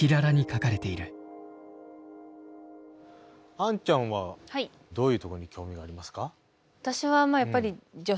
杏ちゃんはどういうとこに興味がありますか？